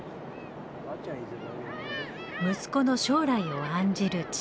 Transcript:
息子の将来を案じる父。